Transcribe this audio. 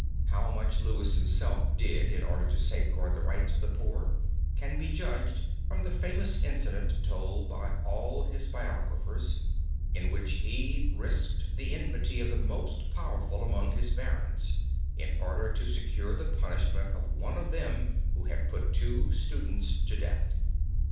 How much Louis himself did in order to safeguard the rights of the poor can be judged from the famous incident told by all his biographers, in which he risked the enmity of the most powerful among his barons, in order to secure the punishment of one of them who had put two students to death.